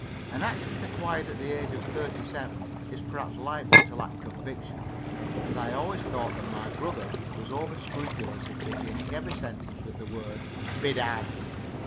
An accent acquired at the age of thirty seven is perhaps liable to lack conviction, and I always thought that my brother was over scrupulous in beginning every sentence with the word "Bedad."